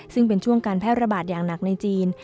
ซึ่งเป็นช่วงการแพร่ระบาดอย่างหนักในจีน